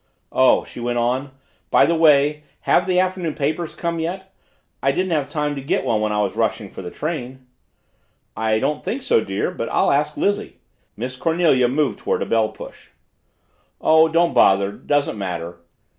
"Oh," she went on, "by the way have the afternoon papers come yet? I didn't have time to get one when I was rushing for the train." "I don't think so, dear, but I'll ask Lizzie." Miss Cornelia moved toward a bell push. "Oh, don't bother; it doesn't matter.